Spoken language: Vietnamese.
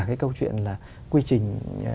cái câu chuyện là quy trình